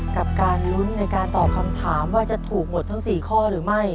กับการลุ้นในการตอบคำถามว่าจะถูกหมดทั้ง๔ข้อหรือไม่